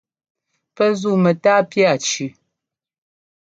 Pɛ́ zúu mɛtáa pía cʉʉ.